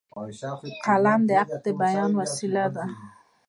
قلم د حق د بیان وسیله ده